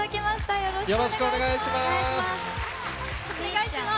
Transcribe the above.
よろしくお願いします。